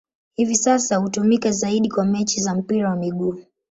Hivi sasa hutumika zaidi kwa mechi za mpira wa miguu.